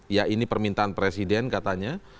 ya ini permintaan presiden katanya